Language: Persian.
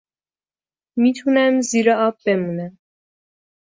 میتونم زیر آب بمونم